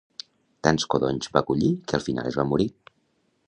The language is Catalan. Tants codonys va collir que al final es va morir